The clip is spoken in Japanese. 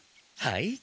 はい。